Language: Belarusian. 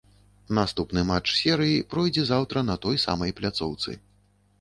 Наступны матч серыі пройдзе заўтра на той самай пляцоўцы.